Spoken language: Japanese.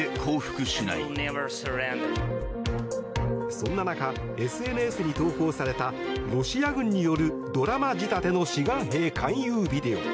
そんな中、ＳＮＳに投稿されたロシア軍によるドラマ仕立ての志願兵勧誘ビデオ。